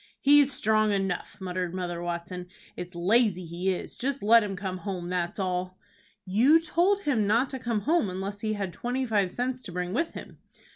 "He's strong enough," muttered Mother Watson. "It's lazy he is. Just let him come home, that's all!" "You told him not to come home unless he had twenty five cents to bring with him."